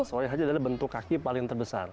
karena itu adalah bentuk kaki paling terbesar